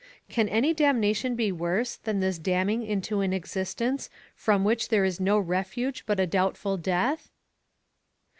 Can any damnation be worse than this damning into an existence from which there is no refuge but a doubtful death?